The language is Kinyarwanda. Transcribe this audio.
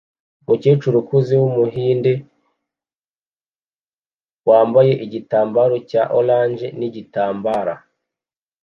Umukecuru ukuze wumuhinde wambaye igitambaro cya orange nigitambara